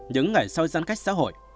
những ngày sau giãn cách xã hội